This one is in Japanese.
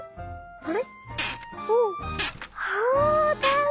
あれ？